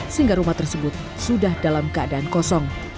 sehingga rumah tersebut sudah dalam keadaan kosong